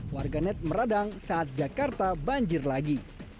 warganet meradang saat jakarta banjir lagi